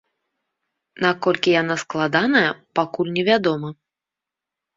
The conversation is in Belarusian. Наколькі яна складаная, пакуль невядома.